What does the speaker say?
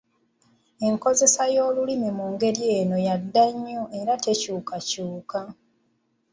Enkozesa y'olulimi mu ngeri eno yadda nnyo era tekyukakyuka.